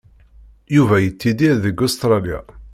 Yuba yettidir deg Ustṛalya.